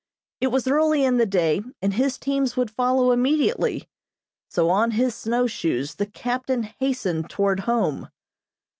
It was early in the day, and his teams would follow immediately; so on his snowshoes the captain hastened toward home.